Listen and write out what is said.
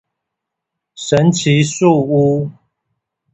神奇樹屋